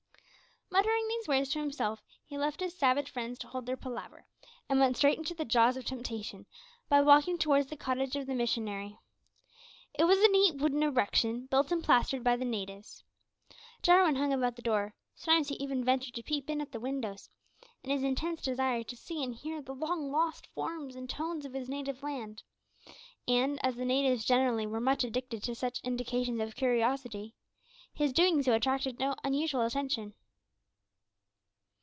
Muttering these words to himself, he left his savage friends to hold their palaver, and went straight into the "jaws of temptation," by walking towards the cottage of the missionary. It was a neat wooden erection, built and plastered by the natives. Jarwin hung about the door; sometimes he even ventured to peep in at the windows, in his intense desire to see and hear the long lost forms and tones of his native land; and, as the natives generally were much addicted to such indications of curiosity, his doing so attracted no unusual attention.